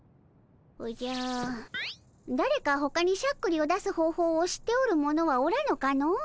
おじゃだれかほかにしゃっくりを出す方法を知っておる者はおらぬかの？